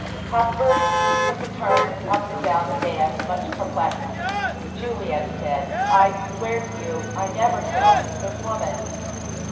Cuthbert took a turn up and down the dais much perplexed. "Juliet," he said. "I swear to you I never killed this woman."